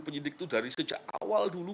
penyidik itu dari sejak awal dulu